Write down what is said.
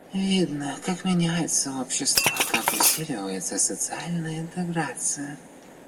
Видно, как меняется общество, как усиливается социальная интеграция.